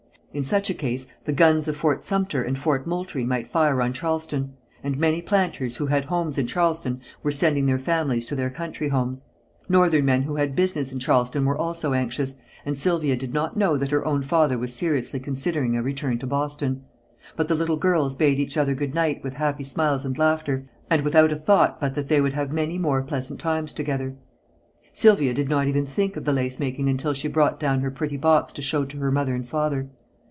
In such a case the guns of Fort Sumter and Fort Moultrie might fire on Charleston, and many planters who had homes in Charleston were sending their families to their country homes. Northern men who had business in Charleston were also anxious, and Sylvia did not know that her own father was seriously considering a return to Boston. But the little girls bade each other good night with happy smiles and laughter, and without a thought but that they would have many more pleasant times together. Sylvia did not even think of the lace making until she brought down her pretty box to show to her mother and father.